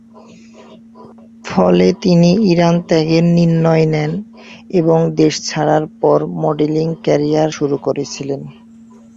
ফলে তিনি ইরান ত্যাগের নির্ণয় নেন এবং দেশ ছাড়ার পর, মডেলিং ক্যারিয়ার শুরু করেছিলেন।